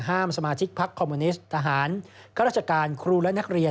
ห้ามสมาชิกพักฯกธุระจักรคลูนักเรียน